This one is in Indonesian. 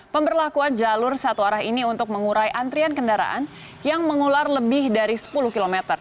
pemberlakuan jalur satu arah ini untuk mengurai antrian kendaraan yang mengular lebih dari sepuluh km